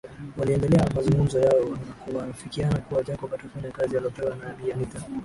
waliendelea na mazungumzo yao na kuafikiana kua Jacob atafanya kazi alopewa na bi anita